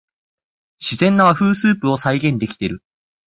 自然な和風スープを再現できてる